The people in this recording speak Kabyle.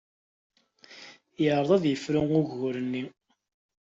Yeɛreḍ ad yefru ugur-nni.